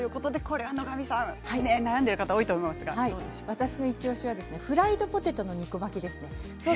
私のイチおしはフライドポテトの肉巻きです。